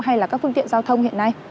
hay là các phương tiện giao thông hiện nay